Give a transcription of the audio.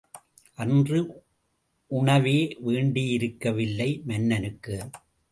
அன்று உணவே வேண்டியிருக்கவில்லை மன்னனுக்கு.